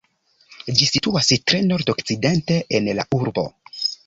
Ĝi situas tre nordokcidente en la urbo.